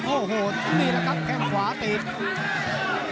โอ้โหนี่แหละครับแข้งขวาติด